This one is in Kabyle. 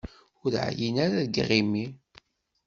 Ur εyin ara seg yiɣimi?